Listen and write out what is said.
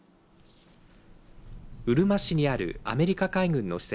うるま市にあるアメリカ海軍の施設